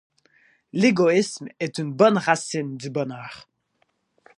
L’égoïsme est une bonne racine du bonheur.